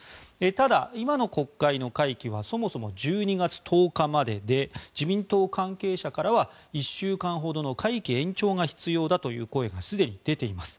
ただ、今の国会の会期はそもそも１２月１０日までで自民党関係者からは１週間ほどの会期延長が必要だという声がすでに出ています。